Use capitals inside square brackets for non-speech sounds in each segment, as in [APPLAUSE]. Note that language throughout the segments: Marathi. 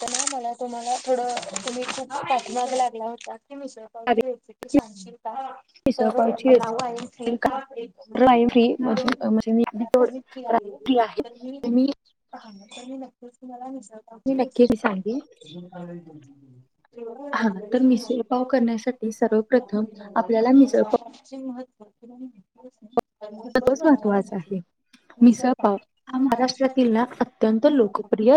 तर ना मला तुम्हाला थोडं तुम्ही खूप पाठमाग लागला होता मिसळ पाव ची रेसीपी सांगशील का तर now I am free free म्हणजे मी [INAUDIBLE] फ्री आहे मी ह तर मी नक्कीच तुम्हाला मिसळ पावची रेसीपी की सांगिन पाव करण्यासाठी सर्वात प्रथम [INAUDIBLE] [INAUDIBLE] मिसळ पाव हा महाराष्ट्रातील ना अत्यंत लोकप्रिय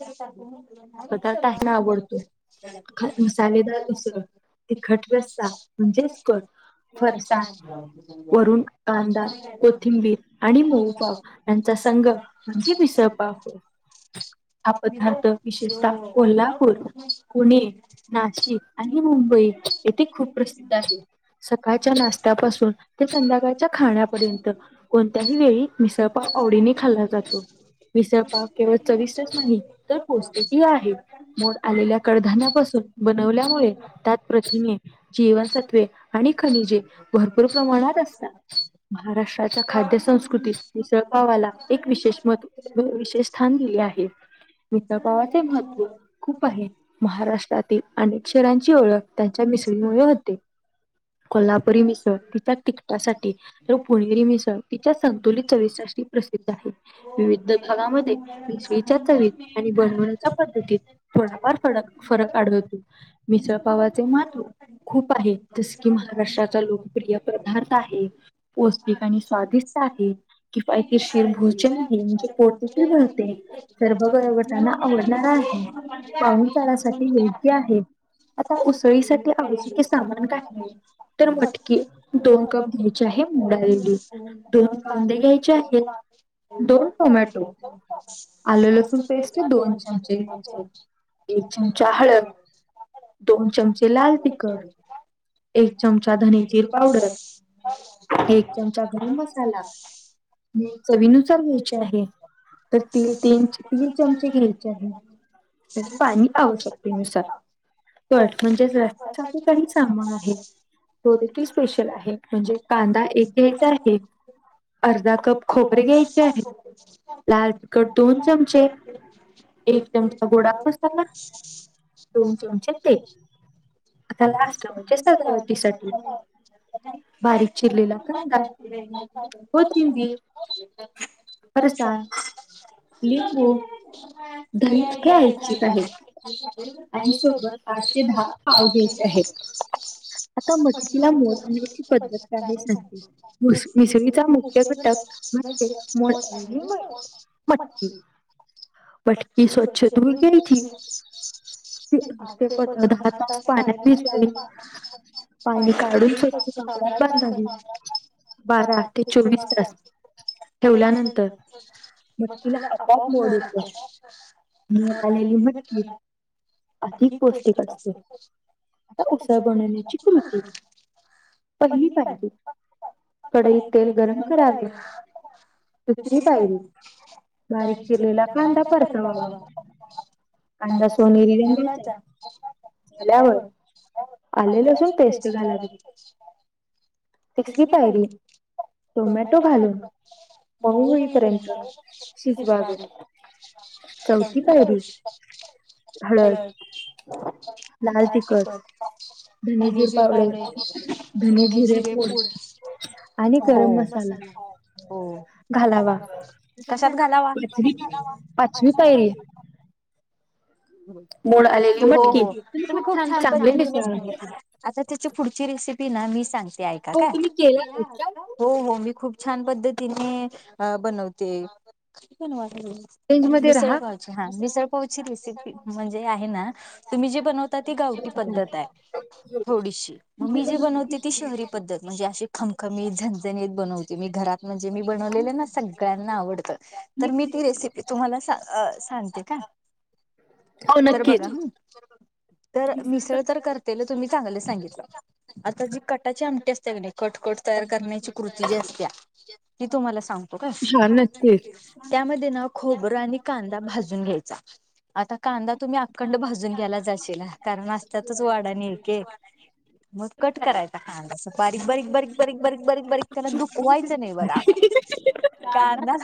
[INAUDIBLE] सर्वांना आवडत मसालेदार मिसळ पाव तिख म्हणजे घ [INAUDIBLE] कांदा कोथिंबीर आणि मऊपाव यांचा संगम म्हणजे मीसळपाव हो ह आपण [INAUDIBLE] येथे खूप प्रसिद्ध आहे सकाळच्या नाशत्यापासून ते संध्याकाळच्या खाण्यापर्यंत कोणत्याही वेळी मिसळपाव आवडीने खाल्ला जातो मिसळ पाव केवळ चविष्ट आलेल्या कडधान्यापासून बनल्यामुळे त्या प्रथिने जीवनसत्वे आणि खनिजे भरपूर प्रमाणात असतात महाराष्ट्राच्या खाद्य संस्कृतीत मीसळपावाला एक विशेष महत् विशेष स्थान दिले आहे [INAUDIBLE] मिसळपावाचे महत्त्व खूप आहे महाराष्ट्रातील अनेक शहरांची ओळख त्यांच्या त कोल्हापुरी मिसळ तिच्या तिकटासाठी तर पुणेरी मिसळ तिच्या संतुलित चविस प्रसिद्ध आहे विविध भागामध्ये बनव पत थोडफारर फरक आवतो मि म खूप आहे जस की महाराष्ट्राचा लोकप्रिय पदार्थ आहे पौष्टिक आणि स्वादिष्ट आहे किंवात शरभोजन आहे म्हणजे पोत त बोलते तर बघा म्हण आता उळी सामान नाही तर म दोन कप दोन कांदे घ्यायचे दोन टोमॅटो आलासून तेच ना दोन चमचे घ्यायमचे एक चमचा हळद दोन चमचे लाल तिखड एक चमचा धमची पावडर मिरच्याचा गरम मसाला मीठ चवीन पण घ्यायचे आहे पन कि चमचे घेट म्हणजे पाणी आवश्यकतेनुसार कर म्हणजेसासाठी काही सामान आहेत देखील सोशल आहे कांदा एकचा आहे अर्धा तो खोबरी घ्यायचे आहे ला एक त्यांचा गोळा हो दोन चमक त्याला असत ते स ीर वर्ष ह थ आहे सोबत आ पाव घ अस मजलेला पद् त्या सांगतजेचा मुद्द घटल म्हण मो अून म ली ग की आते प राहता विसरलो पाणी काढून स्वच्छ कपडात बंद आहे बारा ते चोवीस तारखे ठेवल्यानंतर मच्छलाोआप न दाखव न आलेली मच्छी अधिक पौष्टिक असते आता उसळ ब पहिली प कडई तेल गरम करावे दुसरी पायरी बारीक चिरलेला कां द परत मवा अन्नास हिरगंगाचा झाल्यावर आलेलंजून टेस्टग [INAUDIBLE] खिचली पाहिली टोमॅटो भड मऊ मईपयंत तेच बाज हॅलो क आणिजूर पावडे पुनने जिरे पूड हो म हो कशात घालावा क घालावा पाचवी तुम्ही खूप छान पद्धतीने सांगित आता त्याची पुढची रेसिपी मी सांगते ऐका का हो हो मी खूप छान पद् तिने बनवते बनवा मिसळ पावची हा मिसळपावची रेसिपी म्हणजे आहे ना तुम्ही जे बनवता ती गावट पद्धत आहे थोडीशी मग मी जे बनवते ती शहरी पद्धत म्हणजे अशी खमखमी झनझणीत बनवते तुम्ही घरात म्हणजे मी बनवलेले ना सगळ्यांना आवडतं तर मी ती रेसिपी तुम्हाला सांगते तर बघा तर मिसळ तर करते तुम्ही चांगले सांगितलं आता जी कटाची आमटी असते ग तरची कृ तुम्हाला सगत का त्यामध्ये ना खोबरं आणि कांदा भाजून घ्यायचा आता कांदा तुम्ही खंड भाजून घ्याला जाशील कारण असस्त्याातच वाडा निके मग कट करायचा खांड बारीक बारीक बारीक बारीक बारीक बारीक बारीक त्यांना दुखवायचं नाही बघ काना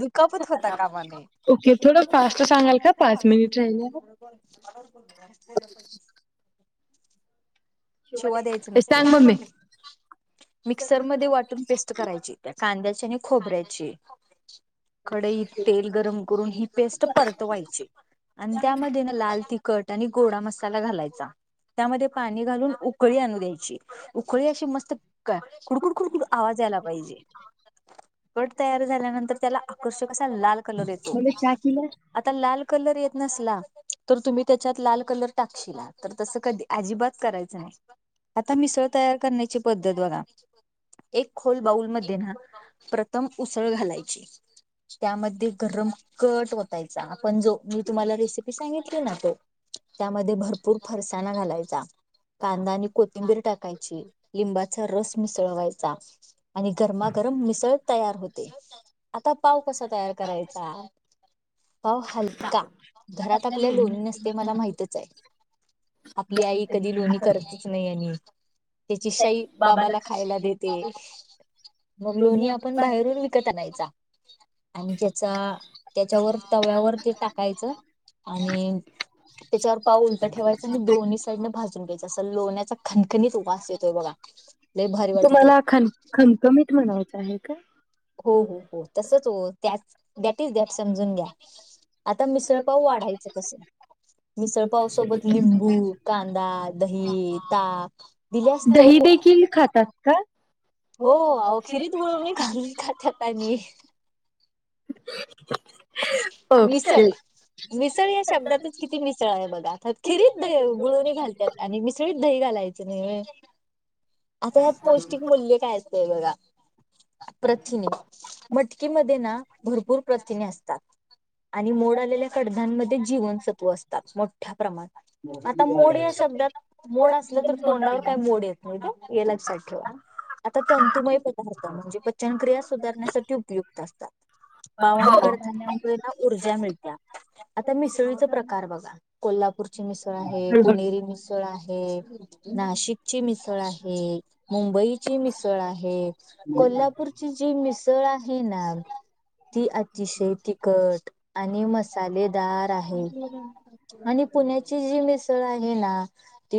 दुखापत होता कामाने पा शवाांग ब्मी मिक्सर म वाटून पेस्ट करायची त्या कांया त्या खोबऱ्याची कडईत तेल गरम करून ही पेस्ट परतवायची आणि त्यामध्ये ना लाल तिखट आणि गोडा मसाला घालायचा त्यामध्ये पाणी घालून उकळी आणू द्यायची उखळी अशी मस्त काय कुडकुड कुडकुड आवाज यायला पाहिजे ट तयार झाल्यानंतर त्याला आकर्षक लाल कलर येतो आता लाल न तर तुम्ही त्याच्यात लाल कलर टाकशला तर तस कधी अजिबात करायचंय आता मिसळ तयार करण्याची पद्धत बघा एक खोल बाऊल मध्ये ना प्रथम उसळ घालायची त्यामध्ये गरम कट होतायचा आपण जो मी तुम्हाला रेसिपी सांगितली ना तो त्यामध्ये भरपूर फरसाणा घालायचा कांदा आणि कोथिंबीर टाकायची लिंबाचा रस मिसळवायचा आणि गरमागर मिसळ तर होते आता पाव कसा तयार करायचा पाव हलका घरात आपल्या लोन नसते मला माहिती आपली आई कधी लोणी करतच नाही आणि त्याची शाही बाबाला खायला देते मग लोणीही आपण बाहेरून विकत आणायचा आणि त्यांचा त्यांच्या वर तव्यावरती कायकरायच आणि त्यांच्यावर पाव उलटं ठेवायचं आणि दोन्हीं साईडून भाजून घ्यायचं लोण्याचा खनखणीत उपास येतोय बघा लंय भारी वाटतोय काय हो, हो, हो, तसंच हो त्याचं द्याटी इज द्याट समजून घ्या आता मिसळ पाव वाढायचं कसं. मिसळपाव सोबत लिंबू कांदा दही ताक. दिले असतें हो ओह खिरीत गोळवणी घालली की काय त्यां ताईंनी- मिसळ मिसळ या शब्दांतच किती मिसळ आहे बघा खिरीत गुळोनी घालतात आणि मिसळीत दही घा लायचं नाहीं आहे आता यांत पौष्टिक मूल्ये काय असतें य बघा प्रथिने मटकी मध्ये ना भरपूर प्रथिने असतें आणि मोड आलेल्या कडध्यांमध्ये जीवनसत्वे असतांत मोठ्या प्रमाणांत आता मोड या शब्दांत मोड असलं तर तोंडावर काय मोड येईल. हो हे लक्षात वा आता तंतुमय पदार्थ म्हणजे पचनक्रिया सुधारण्यासाठी उपयुक्त असतांत हो उर्जा मिळत्या आता मिसळी प्रकार बघा कोल्हापूरची मिसळ आहे पुणेरी मिसळ आहे. नाशिक मिसळ आहे मुंबईची मिसळ आहे. कोल्हापूरची जी मिसळ आहे ना ती अतिशय तीखट आणि मसालेदार आहे आणि पुण्याची जी मिसळ ती आहे ना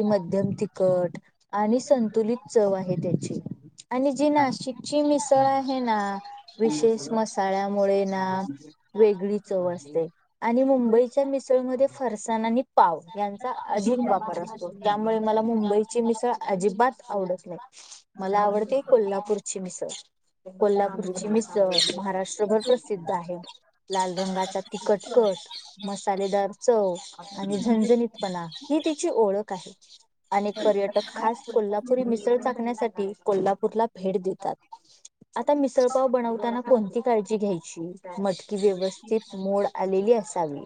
मध्येम तिखट आणि संतुलित तिखट चव आहे त्यांची आणि जी नाशिकची मिसळ आहे ना ती विशेष मसाळ्यामुळे ना वेगळी चव असतें आणि मुंबईच्या मिसळमध्ये फरसानानी पाव यांचा अधिक वापर असतों त्यामुळें मला मुंबईची मिसळ अजिबात आवडतं नाहीं. मला आवडते कोल्हापूरची मिसळ. कोल्हापूरची मिसळ महाराष्ट्रभर प्रसिद्ध आहे. लाल रंगाचा तिखटकट मसालेदार चव आणि झणझणीत पणा ही त्यांची ची ओळख आहे आणि पर्यटक खास कोल्हापुरी मिसळ. मिसळ चाखण्यांसाठी कोल्हापूरला भेट देतात. आणि मिसळ पाव बनवताना कोणती काळजी घ्यायची. अगदी व्यवस्थित मोड आलेली असावी.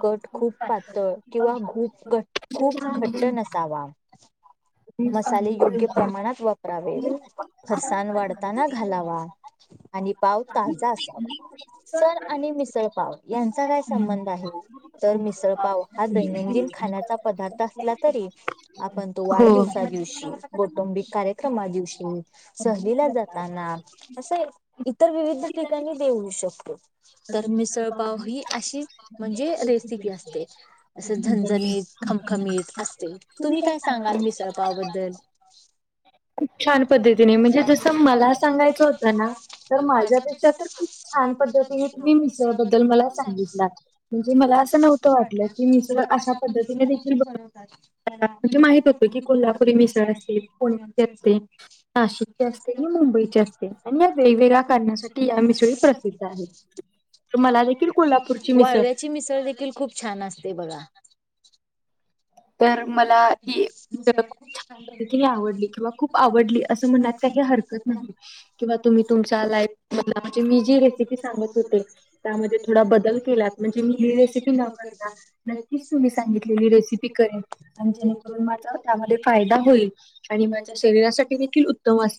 कट खूप पातळ किंवा खूप किंवा खूप घट्ट नसावा. मसाले योग्य प्रमाणांत वापरावे फरसाण वाढतांना घालावा. आणि पाव ताजा असावा. सण आणि मिसळ पाव यांचा काय संबंध आहे तर मिसळ पाव हा दैनंदिन तो खाण्याचा पदार्थ असंला तरी आपण तो वाढदिवसाच्या दिवशी कौटुंबिक कार्यक्रमात एखाद्या दिवशी सहलीला जातांना असं इतर विविध ठिकाणीं देऊ तर मिसळपाव ही अशी म्हणजे रेसिपी असतें असं झणझणीत खमखमीत असतें तुम्हीं काय सांगाल मिसळ पावाबद्दल? हम् खूप छान पद्धतीनें म्हणजे जसं मला सांगायचं होतं ना तर माझ्यापेक्षा तर खूप छान पद्धती तुम्ही मिसळ बद्दल मला सांगितला म्हणजे मला असं नव्हतं वाटलंच की मी सुद्धा अशा पद्धतीनें मिसळ बनतात मला म्हणजे मोह होतें की कोल्हापूरी विषय असतें पुण्याची असतें नाशिकचे असतें आणि मुंबईचे असतें आणि या वेगवेगळ्या कारणांसाठी या मिसळी प्रसिद्ध आहेत. म्हणाली की वाळव्याची मिसळ देखील खूप छान असतें बघा. तर मला ही मिसळ खूप छान पद्धतीने आवडली किंवा खूप आवडली असं मनात हरकत नाही किंवा तुम्ही तुमच्या लाईफ मधला म्हणजे मी जे रिपीट मी सांगत होते त्यामधे थोडा बदल केलात म्हणजे मी ही रेसिपी न करता नक्कीच तुम्ही सांगितलेली रेसिपी करेन आणि जेणेकरून माझा त्यामध्ये फायदा होईल आणि माझ्या शरीरासाठी देखील उत्तम असं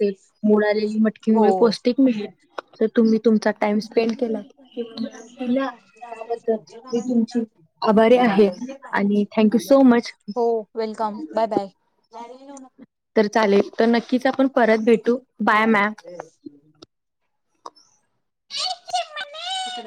मोड आलेली मटकी मुळ पौष्टिक मिळेल तर तुम्ही तुमचा टाईम आभारी आहे. थॅक यु सो मच हो वेलकम बाय बाय तर चालेल नक्कीच पण परत भेटू बाय मॅम त [UNINTELLIGIBLE]